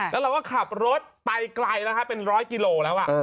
แล้วเราก็ขับรถไปไกลแล้วครับเป็นร้อยกิโลแล้ว